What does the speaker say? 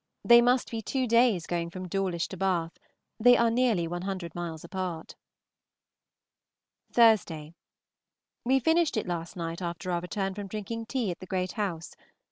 They must be two days going from Dawlish to Bath. They are nearly one hundred miles apart. Thursday. We finished it last night after our return from drinking tea at the Great House.